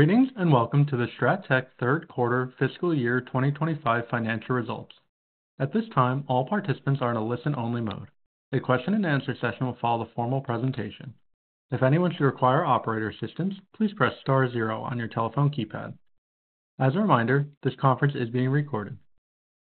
Greetings and welcome to the Strattec Third Quarter Fiscal Year 2025 financial results. At this time, all participants are in a listen-only mode. A question-and-answer session will follow the formal presentation. If anyone should require operator assistance, please press star zero on your telephone keypad. As a reminder, this conference is being recorded.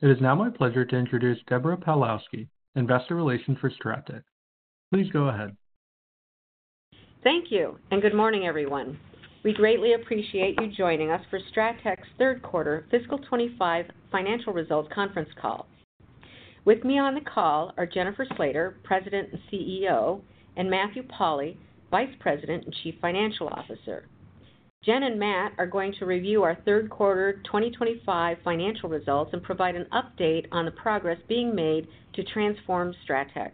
It is now my pleasure to introduce Deborah Pawlowski, Investor Relations for Strattec. Please go ahead. Thank you and good morning, everyone. We greatly appreciate you joining us for Strattec's Third Quarter Fiscal 2025 Financial Results Conference Call. With me on the call are Jennifer Slater, President and CEO, and Matthew Pauli, Vice President and Chief Financial Officer. Jen and Matt are going to review our Third Quarter 2025 financial results and provide an update on the progress being made to transform Strattec.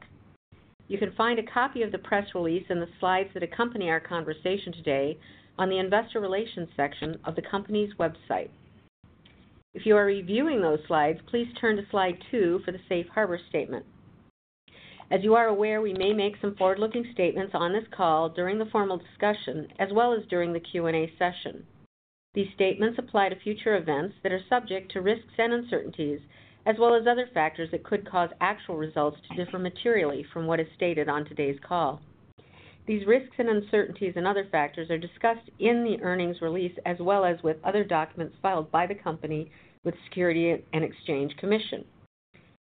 You can find a copy of the press release and the slides that accompany our conversation today on the Investor Relations section of the company's website. If you are reviewing those slides, please turn to slide two for the Safe Harbor Statement. As you are aware, we may make some forward-looking statements on this call during the formal discussion as well as during the Q&A session. These statements apply to future events that are subject to risks and uncertainties, as well as other factors that could cause actual results to differ materially from what is stated on today's call. These risks and uncertainties and other factors are discussed in the earnings release as well as with other documents filed by the company with the Securities and Exchange Commission.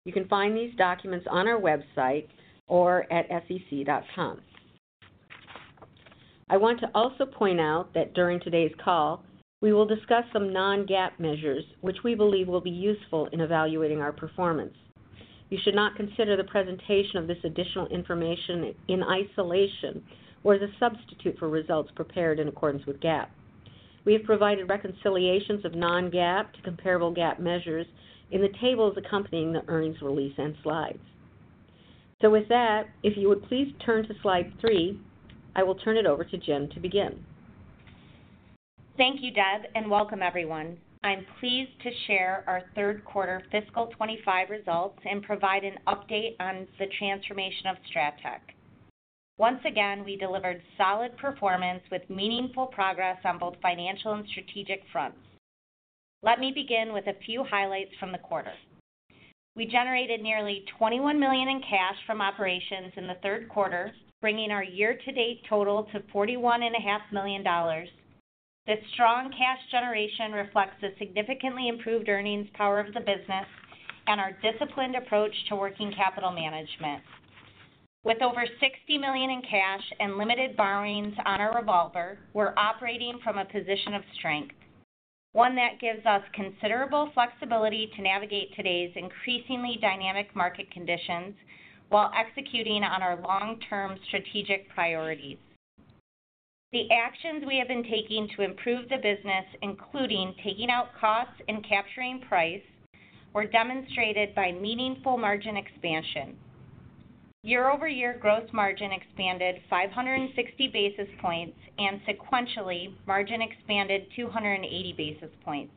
You can find these documents on our website or at sec.gov. I want to also point out that during today's call, we will discuss some non-GAAP measures which we believe will be useful in evaluating our performance. You should not consider the presentation of this additional information in isolation or as a substitute for results prepared in accordance with GAAP. We have provided reconciliations of non-GAAP to comparable GAAP measures in the tables accompanying the earnings release and slides. With that, if you would please turn to slide three, I will turn it over to Jen to begin. Thank you, Deb, and welcome, everyone. I'm pleased to share our third quarter fiscal 2025 results and provide an update on the transformation of Strattec. Once again, we delivered solid performance with meaningful progress on both financial and strategic fronts. Let me begin with a few highlights from the quarter. We generated nearly $21 million in cash from operations in the third quarter, bringing our year-to-date total to $41.5 million. This strong cash generation reflects the significantly improved earnings power of the business and our disciplined approach to working capital management. With over $60 million in cash and limited borrowings on our revolver, we're operating from a position of strength, one that gives us considerable flexibility to navigate today's increasingly dynamic market conditions while executing on our long-term strategic priorities. The actions we have been taking to improve the business, including taking out costs and capturing price, were demonstrated by meaningful margin expansion. Year-over-year gross margin expanded 560 basis points and sequentially margin expanded 280 basis points.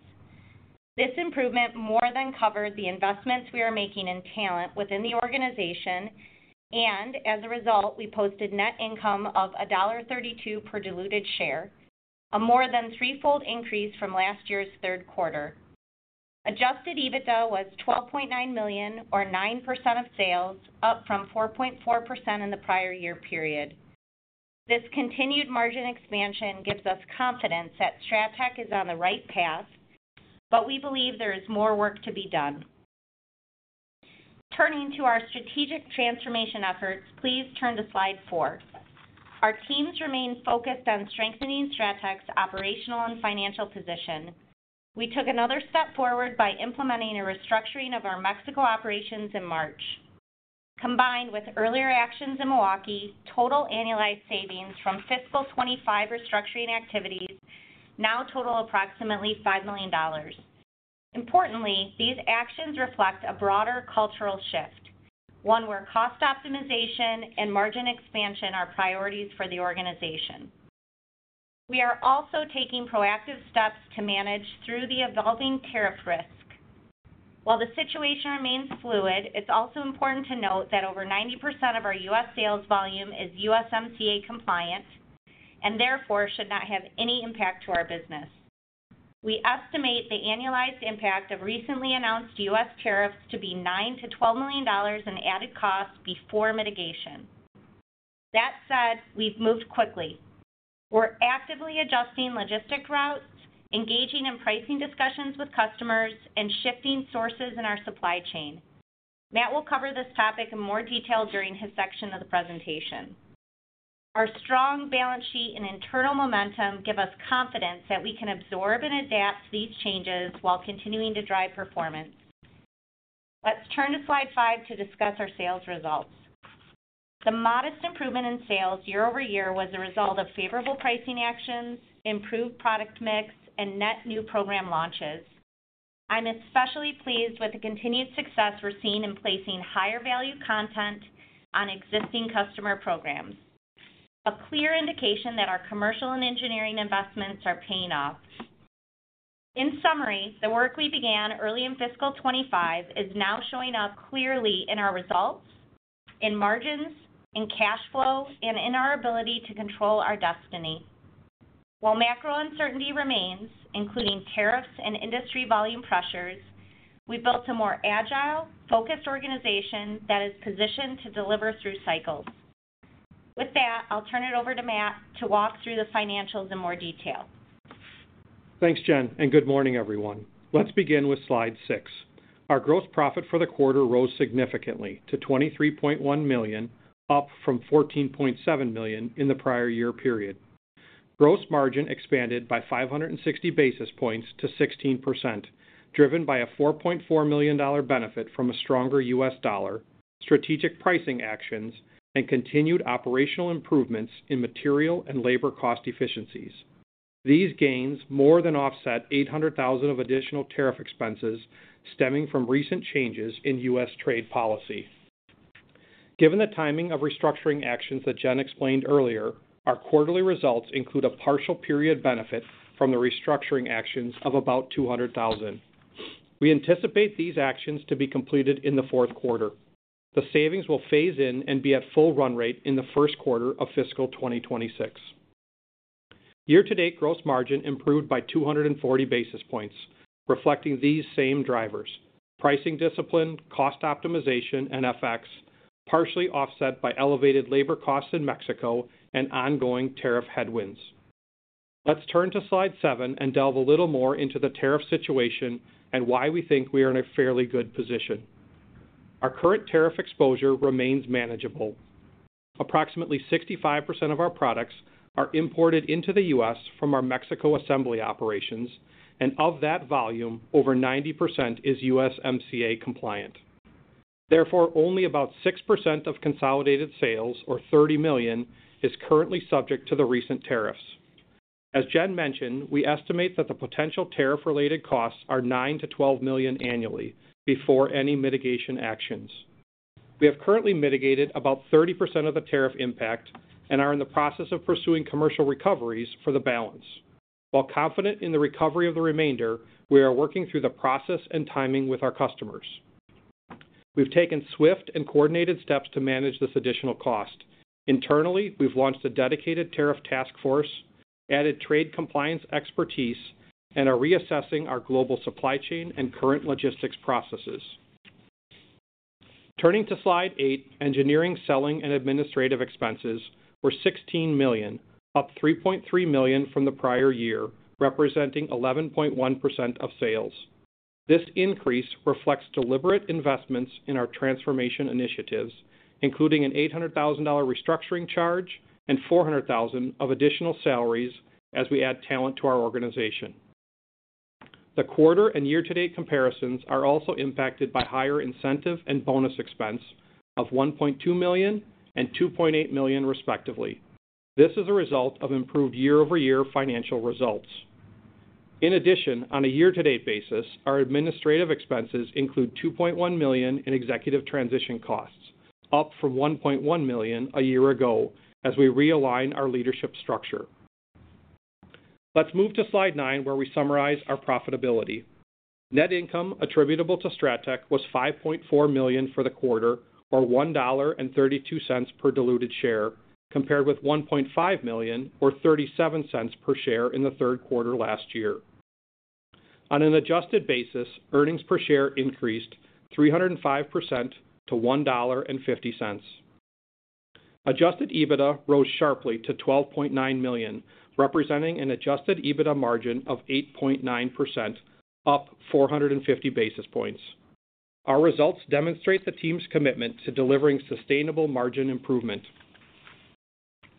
This improvement more than covered the investments we are making in talent within the organization, and as a result, we posted net income of $1.32 per diluted share, a more than threefold increase from last year's third quarter. Adjusted EBITDA was $12.9 million, or 9% of sales, up from 4.4% in the prior year period. This continued margin expansion gives us confidence that Strattec is on the right path, but we believe there is more work to be done. Turning to our strategic transformation efforts, please turn to slide four. Our teams remain focused on strengthening Strattec's operational and financial position. We took another step forward by implementing a restructuring of our Mexico operations in March. Combined with earlier actions in Milwaukee, total annualized savings from fiscal 2025 restructuring activities now total approximately $5 million. Importantly, these actions reflect a broader cultural shift, one where cost optimization and margin expansion are priorities for the organization. We are also taking proactive steps to manage through the evolving tariff risk. While the situation remains fluid, it's also important to note that over 90% of our U.S. sales volume is USMCA compliant and therefore should not have any impact to our business. We estimate the annualized impact of recently announced U.S. tariffs to be $9 million-$12 million in added costs before mitigation. That said, we've moved quickly. We're actively adjusting logistic routes, engaging in pricing discussions with customers, and shifting sources in our supply chain. Matt will cover this topic in more detail during his section of the presentation. Our strong balance sheet and internal momentum give us confidence that we can absorb and adapt these changes while continuing to drive performance. Let's turn to slide five to discuss our sales results. The modest improvement in sales year-over-year was a result of favorable pricing actions, improved product mix, and net new program launches. I'm especially pleased with the continued success we're seeing in placing higher-value content on existing customer programs, a clear indication that our commercial and engineering investments are paying off. In summary, the work we began early in fiscal 2025 is now showing up clearly in our results, in margins, in cash flow, and in our ability to control our destiny. While macro uncertainty remains, including tariffs and industry volume pressures, we've built a more agile, focused organization that is positioned to deliver through cycles. With that, I'll turn it over to Matt to walk through the financials in more detail. Thanks, Jen, and good morning, everyone. Let's begin with slide six. Our gross profit for the quarter rose significantly to $23.1 million, up from $14.7 million in the prior year period. Gross margin expanded by 560 basis points to 16%, driven by a $4.4 million benefit from a stronger U.S. dollar, strategic pricing actions, and continued operational improvements in material and labor cost efficiencies. These gains more than offset $800,000 of additional tariff expenses stemming from recent changes in U.S. trade policy. Given the timing of restructuring actions that Jen explained earlier, our quarterly results include a partial period benefit from the restructuring actions of about $200,000. We anticipate these actions to be completed in the fourth quarter. The savings will phase in and be at full run rate in the first quarter of fiscal 2026. Year-to-date gross margin improved by 240 basis points, reflecting these same drivers: pricing discipline, cost optimization, and FX, partially offset by elevated labor costs in Mexico and ongoing tariff headwinds. Let's turn to slide seven and delve a little more into the tariff situation and why we think we are in a fairly good position. Our current tariff exposure remains manageable. Approximately 65% of our products are imported into the U.S. from our Mexico assembly operations, and of that volume, over 90% is USMCA compliant. Therefore, only about 6% of consolidated sales, or $30 million, is currently subject to the recent tariffs. As Jen mentioned, we estimate that the potential tariff-related costs are $9 million-$12 million annually before any mitigation actions. We have currently mitigated about 30% of the tariff impact and are in the process of pursuing commercial recoveries for the balance. While confident in the recovery of the remainder, we are working through the process and timing with our customers. We've taken swift and coordinated steps to manage this additional cost. Internally, we've launched a dedicated tariff task force, added trade compliance expertise, and are reassessing our global supply chain and current logistics processes. Turning to slide eight, engineering, selling, and administrative expenses were $16 million, up $3.3 million from the prior year, representing 11.1% of sales. This increase reflects deliberate investments in our transformation initiatives, including an $800,000 restructuring charge and $400,000 of additional salaries as we add talent to our organization. The quarter and year-to-date comparisons are also impacted by higher incentive and bonus expense of $1.2 million and $2.8 million, respectively. This is a result of improved year-over-year financial results. In addition, on a year-to-date basis, our administrative expenses include $2.1 million in executive transition costs, up from $1.1 million a year ago as we realign our leadership structure. Let's move to slide nine, where we summarize our profitability. Net income attributable to Strattec was $5.4 million for the quarter, or $1.32 per diluted share, compared with $1.5 million, or $0.37 per share in the third quarter last year. On an adjusted basis, earnings per share increased 305% to $1.50. Adjusted EBITDA rose sharply to $12.9 million, representing an adjusted EBITDA margin of 8.9%, up 450 basis points. Our results demonstrate the team's commitment to delivering sustainable margin improvement.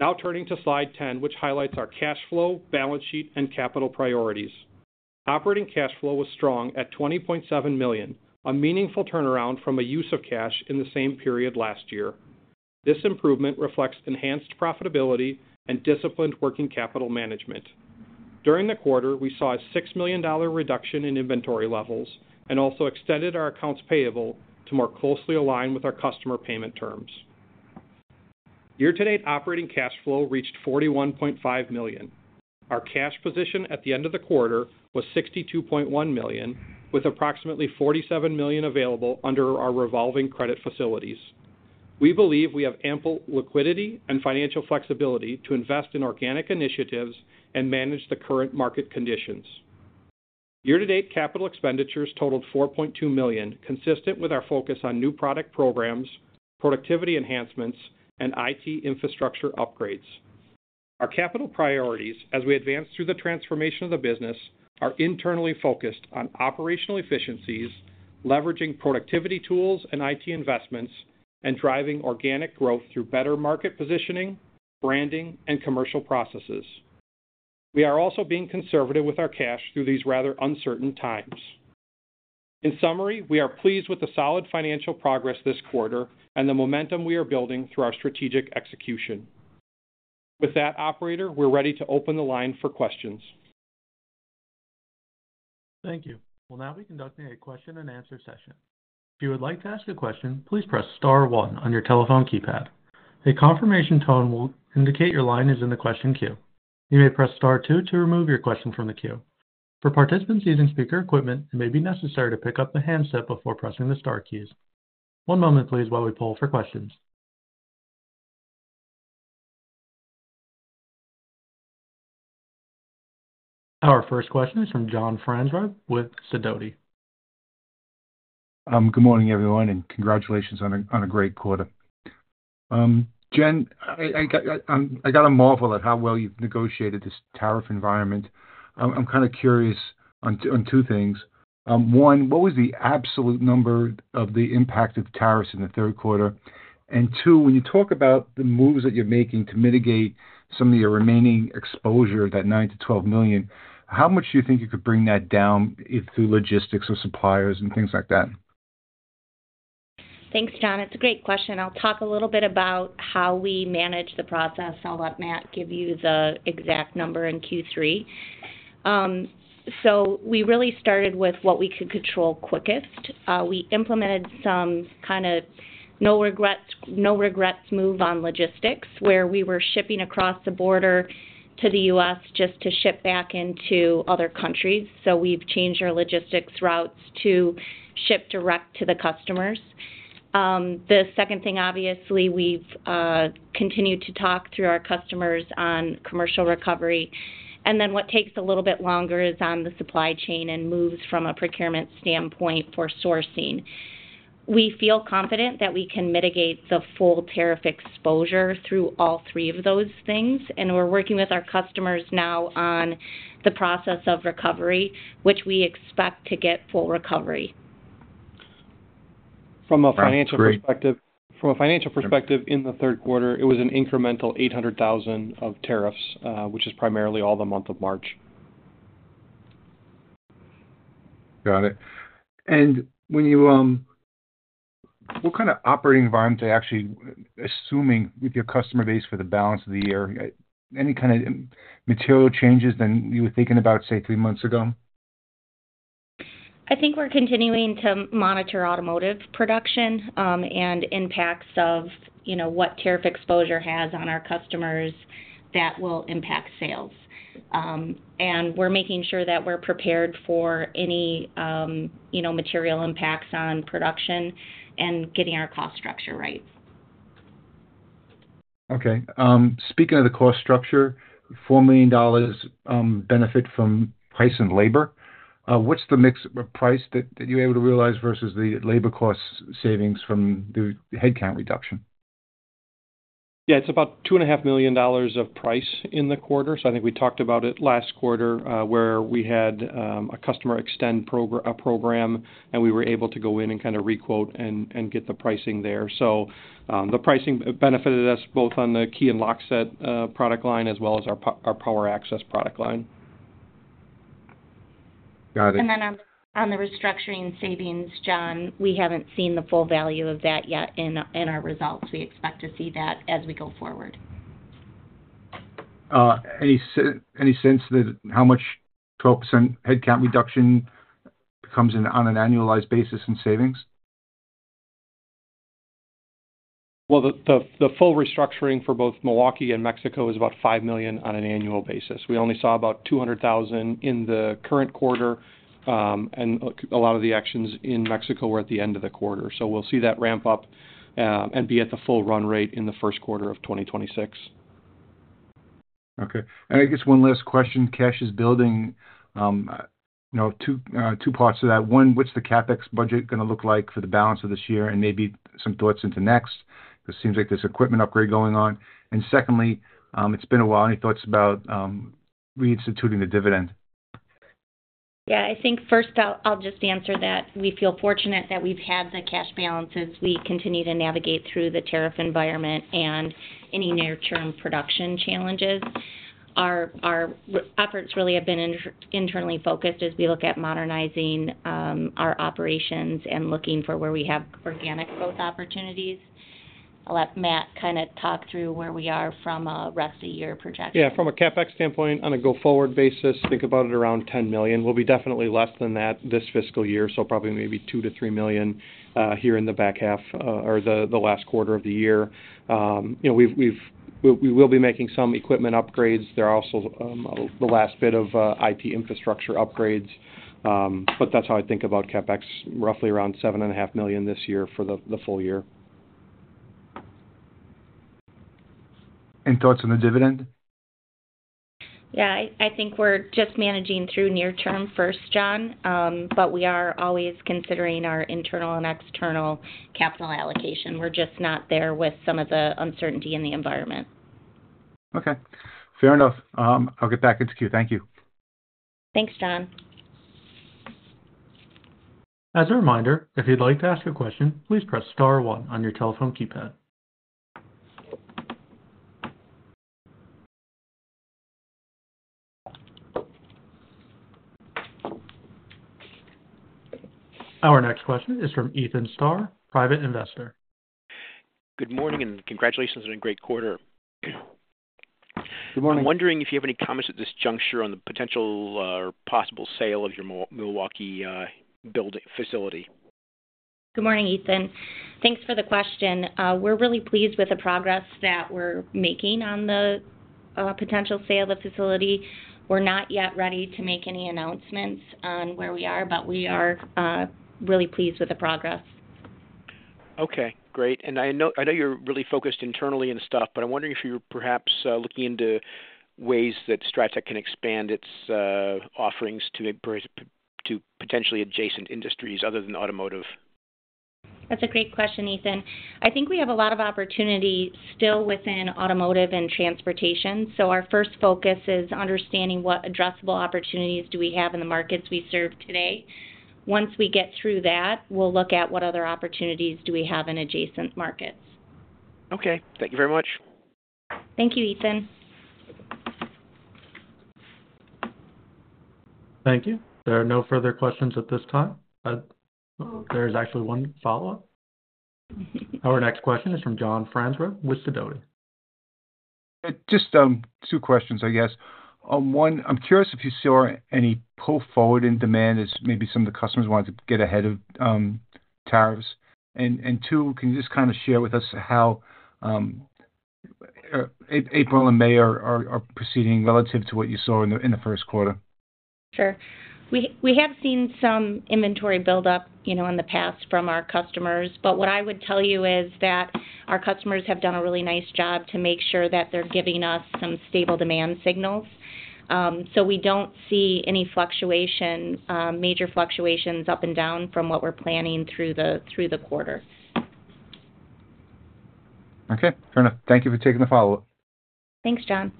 Now turning to slide 10, which highlights our cash flow, balance sheet, and capital priorities. Operating cash flow was strong at $20.7 million, a meaningful turnaround from a use of cash in the same period last year. This improvement reflects enhanced profitability and disciplined working capital management. During the quarter, we saw a $6 million reduction in inventory levels and also extended our accounts payable to more closely align with our customer payment terms. Year-to-date operating cash flow reached $41.5 million. Our cash position at the end of the quarter was $62.1 million, with approximately $47 million available under our revolving credit facilities. We believe we have ample liquidity and financial flexibility to invest in organic initiatives and manage the current market conditions. Year-to-date capital expenditures totaled $4.2 million, consistent with our focus on new product programs, productivity enhancements, and IT infrastructure upgrades. Our capital priorities, as we advance through the transformation of the business, are internally focused on operational efficiencies, leveraging productivity tools and IT investments, and driving organic growth through better market positioning, branding, and commercial processes. We are also being conservative with our cash through these rather uncertain times. In summary, we are pleased with the solid financial progress this quarter and the momentum we are building through our strategic execution. With that, Operator, we're ready to open the line for questions. Thank you. We'll now be conducting a question-and-answer session. If you would like to ask a question, please press star one on your telephone keypad. A confirmation tone will indicate your line is in the question queue. You may press star two to remove your question from the queue. For participants using speaker equipment, it may be necessary to pick up the handset before pressing the star keys. One moment, please, while we pull for questions. Our first question is from John Franzreb with Sidoti. Good morning, everyone, and congratulations on a great quarter. Jen, I got to marvel at how well you've negotiated this tariff environment. I'm kind of curious on two things. One, what was the absolute number of the impact of tariffs in the third quarter? And two, when you talk about the moves that you're making to mitigate some of your remaining exposure, that $9 million-$12 million, how much do you think you could bring that down through logistics or suppliers and things like that? Thanks, John. It's a great question. I'll talk a little bit about how we manage the process. I'll let Matt give you the exact number in Q3. We really started with what we could control quickest. We implemented some kind of no-regrets move on logistics, where we were shipping across the border to the U.S. just to ship back into other countries. We have changed our logistics routes to ship direct to the customers. The second thing, obviously, we have continued to talk through our customers on commercial recovery. What takes a little bit longer is on the supply chain and moves from a procurement standpoint for sourcing. We feel confident that we can mitigate the full tariff exposure through all three of those things. We are working with our customers now on the process of recovery, which we expect to get full recovery. From a financial perspective. From a financial perspective, in the third quarter, it was an incremental $800,000 of tariffs, which is primarily all the month of March. Got it. What kind of operating environment are you actually assuming with your customer base for the balance of the year? Any kind of material changes than you were thinking about, say, three months ago? I think we're continuing to monitor automotive production and impacts of what tariff exposure has on our customers that will impact sales. We are making sure that we're prepared for any material impacts on production and getting our cost structure right. Okay. Speaking of the cost structure, $4 million benefit from price and labor. What's the mix of price that you're able to realize versus the labor cost savings from the headcount reduction? Yeah, it's about $2.5 million of price in the quarter. I think we talked about it last quarter, where we had a customer extend a program, and we were able to go in and kind of requote and get the pricing there. The pricing benefited us both on the key and lockset product line as well as our power access product line. Got it. On the restructuring savings, John, we haven't seen the full value of that yet in our results. We expect to see that as we go forward. Any sense of how much 12% headcount reduction comes in on an annualized basis in savings? The full restructuring for both Milwaukee and Mexico is about $5 million on an annual basis. We only saw about $200,000 in the current quarter, and a lot of the actions in Mexico were at the end of the quarter. We will see that ramp up and be at the full run rate in the first quarter of 2026. Okay. I guess one last question. Cash is building. Two parts to that. One, what's the CapEx budget going to look like for the balance of this year? Maybe some thoughts into next. It seems like there's equipment upgrade going on. Secondly, it's been a while. Any thoughts about reinstituting the dividend? Yeah, I think first I'll just answer that. We feel fortunate that we've had the cash balances we continue to navigate through the tariff environment and any near-term production challenges. Our efforts really have been internally focused as we look at modernizing our operations and looking for where we have organic growth opportunities. I'll let Matt kind of talk through where we are from a rest of the year projection. Yeah, from a CapEx standpoint, on a go-forward basis, think about it around $10 million. We'll be definitely less than that this fiscal year, so probably maybe $2 million-$3 million here in the back half or the last quarter of the year. We will be making some equipment upgrades. There are also the last bit of IT infrastructure upgrades. But that's how I think about CapEx, roughly around $7.5 million this year for the full year. Any thoughts on the dividend? Yeah, I think we're just managing through near-term first, John, but we are always considering our internal and external capital allocation. We're just not there with some of the uncertainty in the environment. Okay. Fair enough. I'll get back into queue. Thank you. Thanks, John. As a reminder, if you'd like to ask a question, please press star one on your telephone keypad. Our next question is from Ethan Starr, private investor. Good morning and congratulations on a great quarter. Good morning. I'm wondering if you have any comments at this juncture on the potential or possible sale of your Milwaukee facility. Good morning, Ethan. Thanks for the question. We're really pleased with the progress that we're making on the potential sale of the facility. We're not yet ready to make any announcements on where we are, but we are really pleased with the progress. Okay. Great. I know you're really focused internally and stuff, but I'm wondering if you're perhaps looking into ways that Strattec can expand its offerings to potentially adjacent industries other than automotive. That's a great question, Ethan. I think we have a lot of opportunity still within automotive and transportation. Our first focus is understanding what addressable opportunities do we have in the markets we serve today. Once we get through that, we'll look at what other opportunities do we have in adjacent markets. Okay. Thank you very much. Thank you, Ethan. Thank you. There are no further questions at this time. There is actually one follow-up. Our next question is from John Franzreb with Sidoti. Just two questions, I guess. One, I'm curious if you saw any pull forward in demand as maybe some of the customers wanted to get ahead of tariffs. Two, can you just kind of share with us how April and May are proceeding relative to what you saw in the first quarter? Sure. We have seen some inventory buildup in the past from our customers. What I would tell you is that our customers have done a really nice job to make sure that they're giving us some stable demand signals. We do not see any major fluctuations up and down from what we're planning through the quarter. Okay. Fair enough. Thank you for taking the follow-up. Thanks, John.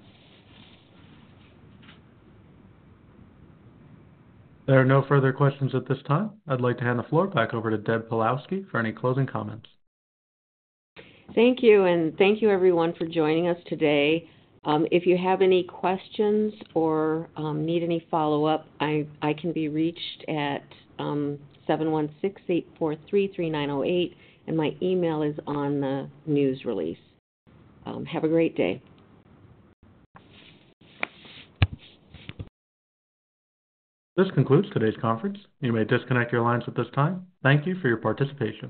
There are no further questions at this time. I'd like to hand the floor back over to Deborah Pawlowski for any closing comments. Thank you. Thank you, everyone, for joining us today. If you have any questions or need any follow-up, I can be reached at 716-843-3908. My email is on the news release. Have a great day. This concludes today's conference. You may disconnect your lines at this time. Thank you for your participation.